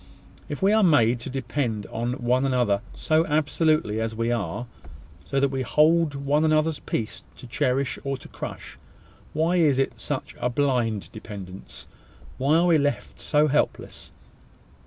If we are made to depend on one another so absolutely as we are, so that we hold one another's peace to cherish or to crush, why is it such a blind dependence? Why are we left so helpless?